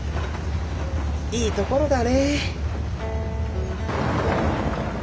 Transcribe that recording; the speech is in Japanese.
いいところだね。